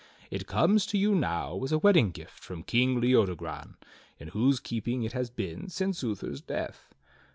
It comes to you now as a wedding gift from King Leodogran, in whose keeping it has been since Uther's death.